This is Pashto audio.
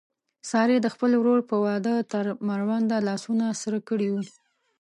سارې د خپل ورور په واده تر مړونده لاسونه سره کړي و.